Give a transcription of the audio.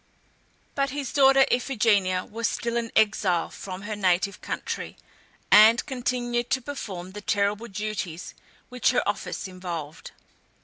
But his daughter, Iphigenia, was still an exile from her native country, and continued to perform the terrible duties which her office involved.